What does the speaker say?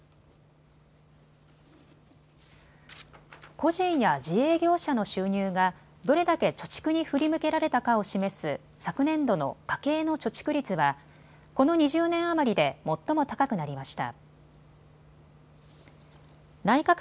個人や自営業者の収入がどれだけ貯蓄に振り向けられたかを示す昨年度の家計の貯蓄率は、この２０年余りで最も高くなりました。